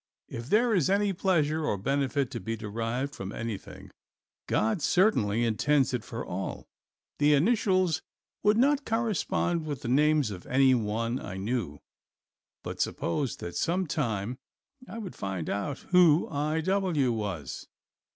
If there is any pleasure or benefit to be derived from anything, God certainly intends it for all. The initials would not correspond with the name of anyone I knew, but supposed that some time I would find out who I. W. was.